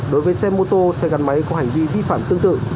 đối với xe mô tô xe gắn máy có hành vi vi phạm tương tự